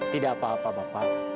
tidak apa apa bapak